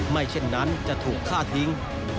เช่นนั้นจะถูกฆ่าทิ้ง